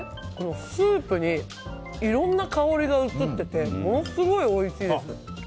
スープにいろんな香りが移っててものすごいおいしいです。